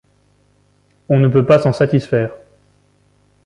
On ne peut pas s’en satisfaire.